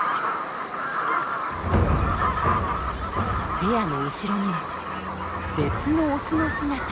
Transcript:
ペアの後ろには別のオスの姿。